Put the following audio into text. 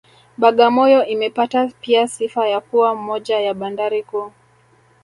Bagamoyo imepata pia sifa ya kuwa moja ya bandari kuu